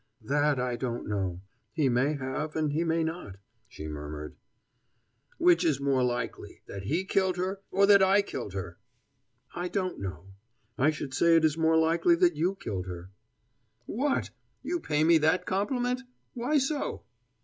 "That I don't know. He may have, and he may not," she murmured. "Which is more likely? That he killed her, or that I killed her?" "I don't know. I should say it is more likely that you killed her." "What! You pay me that compliment? Why so?"